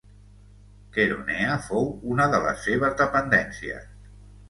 Queronea fou una de les seves dependències.